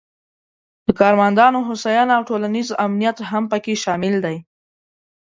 د کارمندانو هوساینه او ټولنیز امنیت هم پکې شامل دي.